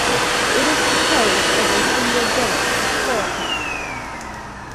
It is composed of a single village, Florica.